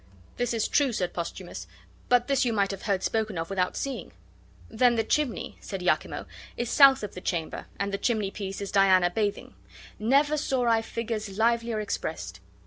"This is true," said Posthumus; "but this you might have heard spoken of without seeing." "Then the chimney," said Iachimo, "is south of the chamber, and the chimneypiece is Diana bathing; never saw I figures livelier expressed."